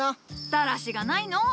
だらしがないのう。